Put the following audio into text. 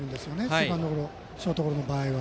セカンドゴロやショートゴロの場合は。